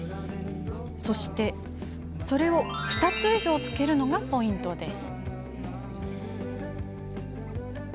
それを、２つ以上着けるのがポイントです。